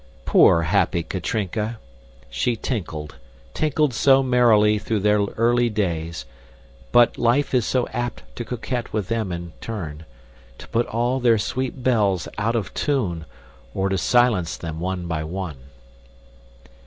Poor happy Katrinka! She tinkled, tinkled so merrily through their early days, but life is so apt to coquette with them in turn, to put all their sweet bells out of tune or to silence them one by one!